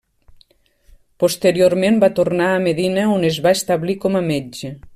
Posteriorment va tornar a Medina on es va establir com a metge.